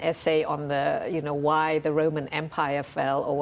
mengapa impian rakyat roma terjatuh